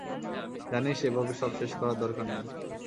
জানিস, এভাবে সব শেষ করার দরকার নেই।